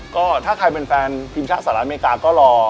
ก็ถ้าใครเป็นแฟนทีมชาติสหรัฐอเมริกาก็รอ